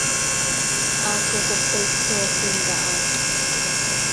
Haaco cop toii cösoofin caha.